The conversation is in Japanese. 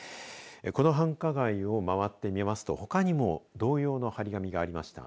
この繁華街を回ってみますとほかにも同様の貼り紙がありました。